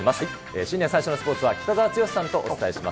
新年最初のスポーツは北澤豪さんとお伝えします。